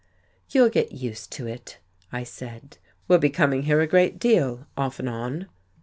"You'll get used to it," I said. "We'll be coming here a great deal, off and on."